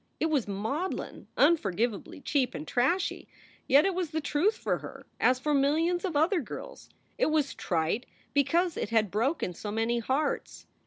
It was maudlin, unforgivably cheap and trashy, yet it was the truth for her, as for millions of other girls. It was trite because it had broken so many hearts.